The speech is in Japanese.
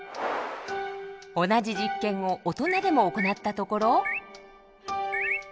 同じ実験を大人でも行ったところ。